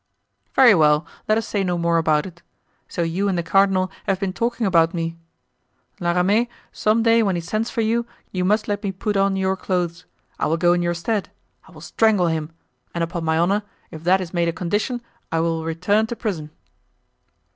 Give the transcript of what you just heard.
"Very well, let us say no more about it. So you and the cardinal have been talking about me? La Ramee, some day when he sends for you, you must let me put on your clothes; I will go in your stead; I will strangle him, and upon my honor, if that is made a condition I will return to prison."